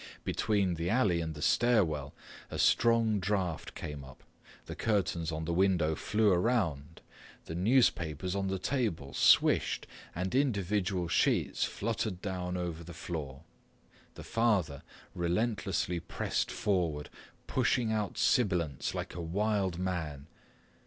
Between the alley and the stairwell a strong draught came up, the curtains on the window flew around, the newspapers on the table swished, and individual sheets fluttered down over the floor. The father relentlessly pressed forward, pushing out sibilants, like a wild man.